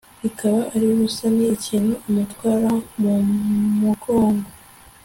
Bikaba ari ubusa ni ikintu amutwara mu mugongo